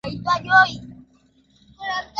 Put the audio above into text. Katika miaka ya elfumoja miatisa ishirini natano